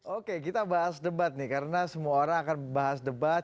oke kita bahas debat nih karena semua orang akan bahas debat